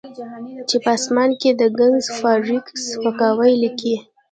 چې په اسمان کې د ګس فارویک سپکاوی لیکي